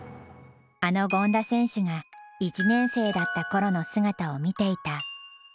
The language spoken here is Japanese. あの権田選手が１年生だった頃の姿を見ていた。